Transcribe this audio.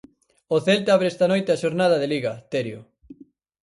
O Celta abre esta noite a xornada de Liga, Terio.